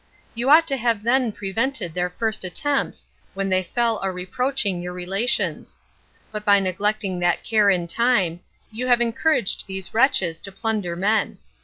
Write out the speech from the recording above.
You ought to have then prevented their first attempts, when they fell a reproaching your relations; but by neglecting that care in time, you have encouraged these wretches to plunder men.